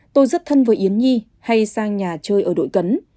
tôi rất thân với yến nhi hay sang nhà chơi ở đội cấn